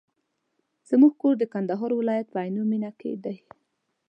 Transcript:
زموږ کور د کندهار ولایت په عينو مېنه کي دی.